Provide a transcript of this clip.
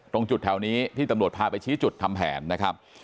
ตรงจุดแถวนี้ที่ตำรวจพาไปชี้จุดทำแผนนะครับ